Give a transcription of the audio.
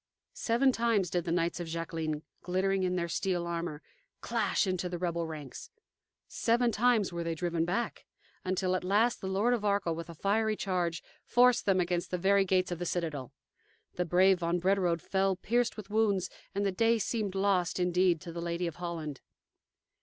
Seven times did the knights of Jacqueline, glittering in their steel armor, clash into the rebel ranks; seven times were they driven back, until, at last, the Lord of Arkell, with a fiery charge, forced them against the very gates of the citadel. The brave von Brederode fell pierced with wounds, and the day seemed lost, indeed, to the Lady of Holland.